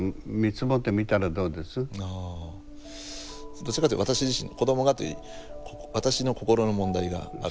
どちらかというと私自身子どもがというより私の心の問題がある。